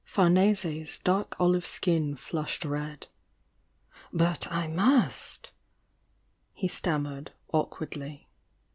Farnese's dark olive skin flushed red. But I must!" he stammered, awkwardly.